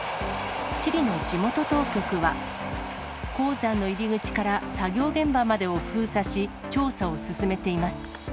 チリの地元当局は、鉱山の入り口から作業現場までを封鎖し、調査を進めています。